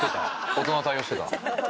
大人の対応してた？